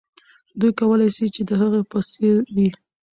دوی کولای سي چې د هغې په څېر وي.